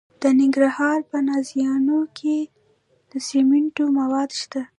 د ننګرهار په نازیانو کې د سمنټو مواد شته.